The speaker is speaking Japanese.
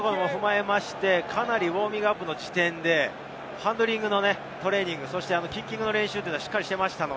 かなりウオーミングアップの時点でハンドリングのトレーニング、キッキングの練習をしっかりしていました。